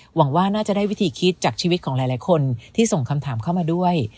หวังว่าน่าจะได้วิธีคิดจากชีวิตของหลายคนที่ส่งคำถามเข้ามาด้วย